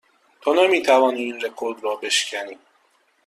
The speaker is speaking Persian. تو نمی توانی این رکورد را بشکنی.